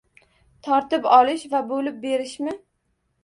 «Tortib olish va bo‘lib berishmi?»